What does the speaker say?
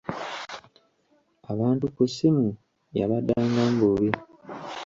Abantu ku ssimu yabaddangamu bubi.